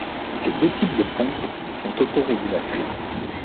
Ces deux types de pompes sont auto-régulatrices.